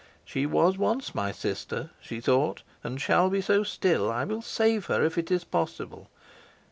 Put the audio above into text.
"She was once my sister," she thought, "and shall be so still. I will save her, if it be possible."